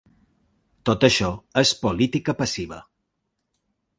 Tot això és política passiva.